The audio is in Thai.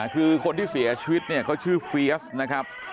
คือคนที่เสียชีวิตเนี่ยเขาชื่อเฟียสนะครับ